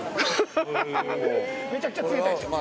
めちゃくちゃ冷たいでしょ。